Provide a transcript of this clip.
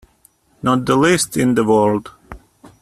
Not the least in the world.